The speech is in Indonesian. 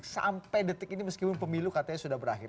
sampai detik ini meskipun pemilu katanya sudah berakhir